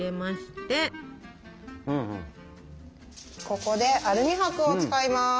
ここでアルミ箔を使います。